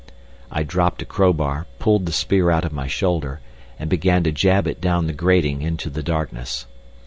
I dropped a crowbar, pulled the spear out of my shoulder, and began to jab it down the grating into the darkness.